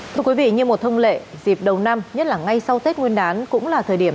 thưa quý vị như một thông lệ dịp đầu năm nhất là ngay sau tết nguyên đán cũng là thời điểm